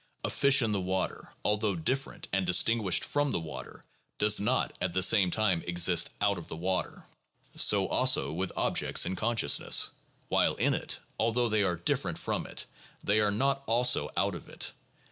A fish in the water, although different and distinguished from the water, does not at the same time exist out of the water. So also with objects in consciousness : while in it, although they are different from it, they are not also out of it.